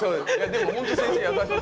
でもほんと先生優しい！